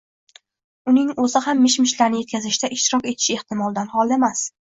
uning o‘zi ham mish-mishlarni yetkazishda ishtirok etishi ehtimoldan xoli emas.